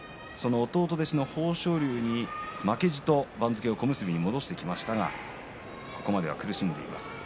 弟弟子の豊昇龍に負けじと番付を戻してきましたがここまで苦しい相撲。